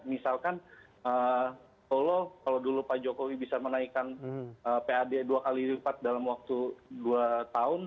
misalkan solo kalau dulu pak jokowi bisa menaikkan pad dua kali lipat dalam waktu dua tahun